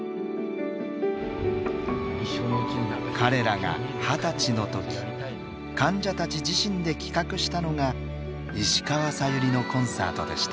彼らが２０歳の時患者たち自身で企画したのが石川さゆりのコンサートでした。